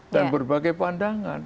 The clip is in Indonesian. dan berbagai pandangan